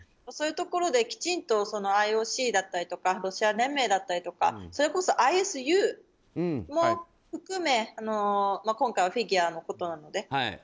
そういうところで、きちんとＩＯＣだったりとかロシア連盟だったりとかそれこそＩＳＵも含め今回はフィギュアのことなので。